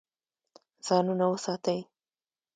ځانونه وساتئ.